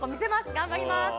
頑張ります！